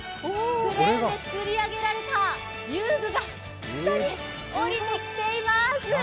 クレーンで釣り上げられた遊具が下に下りてきています。